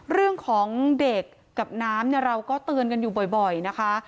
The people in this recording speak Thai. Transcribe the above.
เรื่องของเด็กกับน้ำเนี่ยเราก็เตือนกันอยู่บ่อยนะคะ